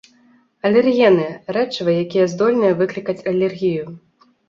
Алергены, рэчывы, якія здольны выклікаць алергію.